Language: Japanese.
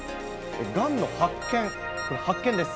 がんの発見、発見です。